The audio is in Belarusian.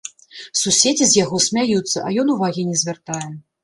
Суседзі з яго смяюцца, а ён увагі не звяртае.